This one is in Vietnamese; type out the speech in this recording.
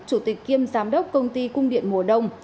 chủ tịch kiêm giám đốc công ty cung điện mùa đông